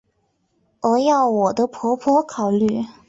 而要我的婆婆考虑！